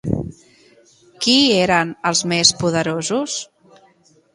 Qui eren els més poderosos?